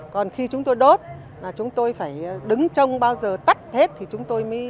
còn khi chúng tôi đốt chúng tôi phải đứng trong bao giờ tắt hết